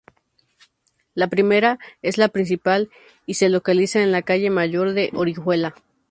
La primera es la principal y se localiza en la calle Mayor de Orihuela.